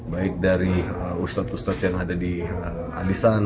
baik dari ustadz ustadz yang ada di alisan